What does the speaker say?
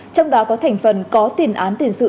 trong đó có thành phần có tiền án tiền sự